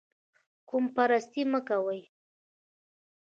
قوم پرستي مه کوئ